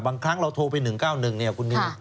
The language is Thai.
บางครั้งเราโทรไป๑๙๑คุณนีน